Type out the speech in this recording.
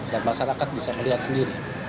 dan masyarakat bisa melihat sendiri